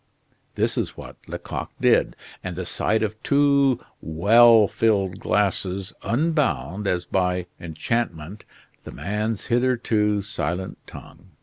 This was what Lecoq did, and the sight of two well filled glasses unbound, as by enchantment, the man's hitherto silent tongue.